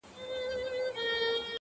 له آمو تر اباسينه -